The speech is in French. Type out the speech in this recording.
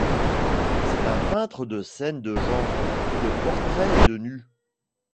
C'est un peintre de scènes de genre, de portraits et de nus.